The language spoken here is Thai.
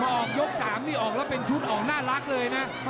พอออกยก๓นี่ออกแล้วเป็นชุดออกน่ารักเลยนะ